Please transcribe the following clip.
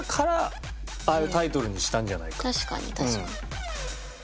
確かに確かに。